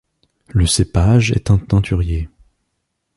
Le cépage est un teinturier.